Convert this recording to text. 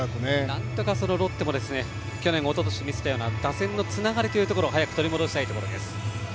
なんとかロッテも去年、おととしに見せたような打線のつながりというところを早く取り戻したいところです。